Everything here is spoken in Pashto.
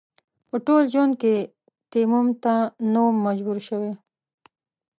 په ټول ژوند کې تيمم ته نه وم مجبور شوی.